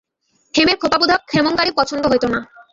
হেমের খোঁপাবোঁধা ক্ষেমংকরীর পছন্দ হইত না।